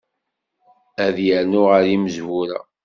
Ad yernu ɣer yimezwura.